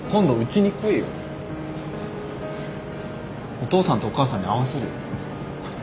お父さんとお母さんに会わせるよ。